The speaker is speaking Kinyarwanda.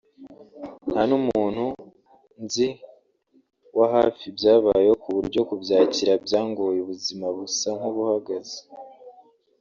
nta n'umuntu nzi wa hafi byabayeho ku buryo kubyakira byangoye ubuzima busa nkubuhagaze